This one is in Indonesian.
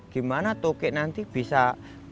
gimana tukik nanti bisa